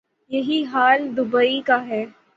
یہی حال دوبئی کا ہے۔